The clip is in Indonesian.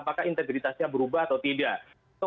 apakah integritasnya berubah atau tidak